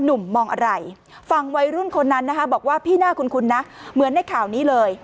มองอะไรฝั่งวัยรุ่นคนนั้นนะคะบอกว่าพี่น่าคุ้นนะเหมือนในข่าวนี้เลย